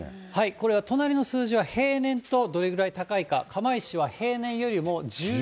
これは隣の数字は平年とどれぐらい高いか、釜石は平年よりも。